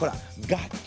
楽器？